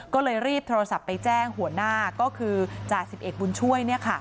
ก็เลยรีบโทรศัพท์ไปแจ้งหัวหน้าก็คือจ่าสิบเอกบุญช่วย